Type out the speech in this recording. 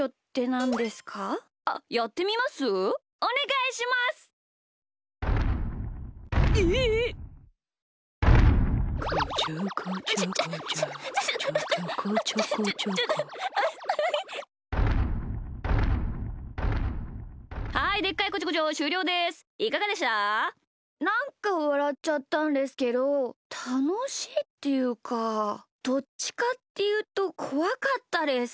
なんかわらっちゃったんですけどたのしいっていうかどっちかっていうとこわかったです。